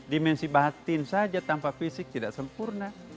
dimensi batin saja tanpa fisik tidak sempurna